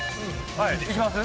いきます？